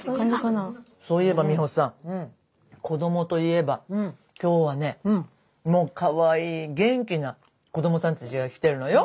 そういえば美穂さん子どもといえば今日はねもうかわいい元気な子どもさんたちが来てるのよ。